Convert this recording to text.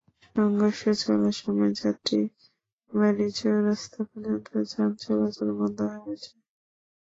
সংঘর্ষ চলার সময় যাত্রাবাড়ী চৌরাস্তা পর্যন্ত যান চলাচল বন্ধ হয়ে যায়।